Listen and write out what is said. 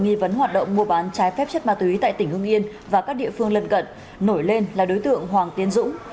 nghi vấn hoạt động mua bán trái phép chất ma túy tại tỉnh hưng yên và các địa phương lân cận nổi lên là đối tượng hoàng tiến dũng